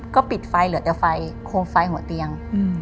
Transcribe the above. ก็ปิดไฟเหลือแต่ไฟโคมไฟหัวเตียง